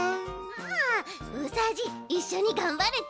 あうさじいいっしょにがんばるち。